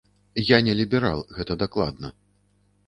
Я не ліберал, гэта дакладна.